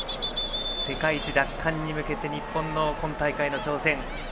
世界一奪還に向けて日本の今大会の挑戦。